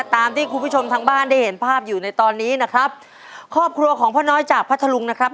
ตามที่คุณผู้ชมทางบ้านได้เห็นภาพอยู่ในตอนนี้นะครับครอบครัวของพ่อน้อยจากพัทธลุงนะครับ